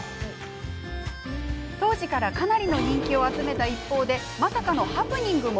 当時からかなりの人気を集めた一方でまさかのハプニングも。